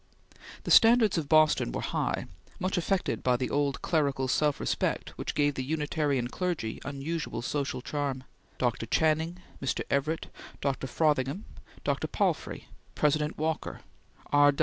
The standards of Boston were high, much affected by the old clerical self respect which gave the Unitarian clergy unusual social charm. Dr. Channing, Mr. Everett, Dr. Frothingham. Dr. Palfrey, President Walker, R.